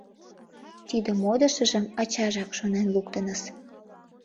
Тиде модышыжым ачажак шонен луктыныс.